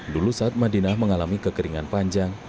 dulu saat madinah mengalami kekeringan panjang